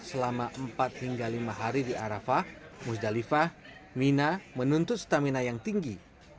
selama empat hingga lima hari di arafah musdalifah mina menuntut stamina yang tinggi